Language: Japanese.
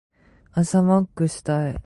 朝マックしたい。